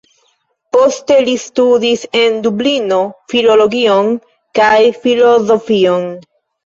Poste li studis en Dublino filologion kaj filozofion.